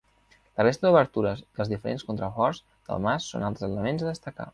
La resta d'obertures i els diferents contraforts del mas són altres elements a destacar.